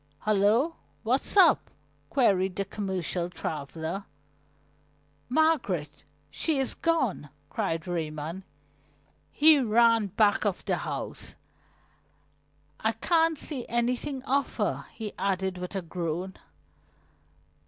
"Hullo! What's up?" queried the commercial traveler. "Margaret! She is gone!" cried Raymond. He ran back of the house. "I can't see anything of her!" he added with a groan.